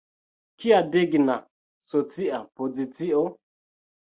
Kia digna socia pozicio!